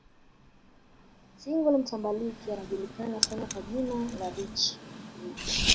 Single mtambalike anajulikana sana kwa jina la Richie Rich